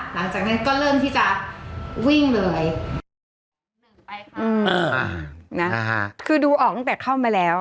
หลังจากนั้นก็เริ่มที่จะวิ่งเลยคือดูออกตั้งแต่เข้ามาแล้ว